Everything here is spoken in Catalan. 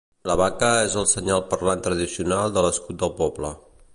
La vaca és el senyal parlant tradicional de l'escut del poble.